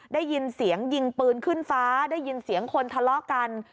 ได้ยินเสียงยิงปืนขึ้นฟ้าได้ยินเสียงคนทะเลาะกัน